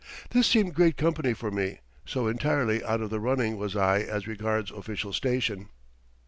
This seemed great company for me, so entirely out of the running was I as regards official station.